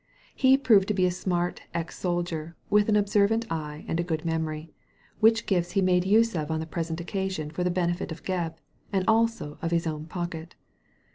He proved to be a smart ex soldfer, with an observant eye and a good memory, which gifts he made use of on the present occasion for the benefit of Gebb, and also of his own pocket.